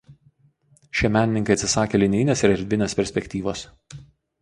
Šie menininkai atsisakė linijinės ir erdvinės perspektyvos.